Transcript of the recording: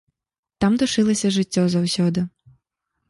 Там душылася жыццё заўсёды.